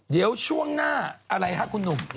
เดี๋ยวช่วงหน้าอะไรคะคุณหนุ่ม